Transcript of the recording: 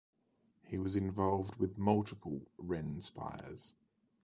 He was involved with multiple "Wren spires".